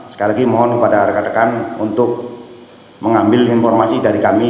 sekali lagi mohon kepada rekan rekan untuk mengambil informasi dari kami